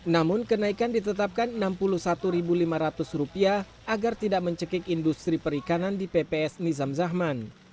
namun kenaikan ditetapkan rp enam puluh satu lima ratus agar tidak mencekik industri perikanan di pps nizam zahman